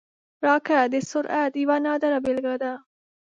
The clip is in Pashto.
راکټ د سرعت یوه نادره بیلګه ده